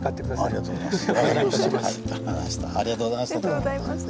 ありがとうございます！